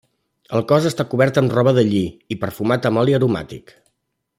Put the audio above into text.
El cos està cobert amb roba de lli i perfumat amb oli aromàtic.